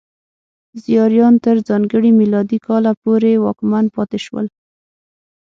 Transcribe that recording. زیاریان تر ځانګړي میلادي کاله پورې واکمن پاتې شول.